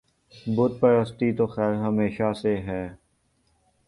بت پرستی تو خیر ہمیشہ سے ہی